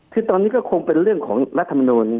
คือตอนนี้ก็คงเป็นเรื่องของรัฐมนูล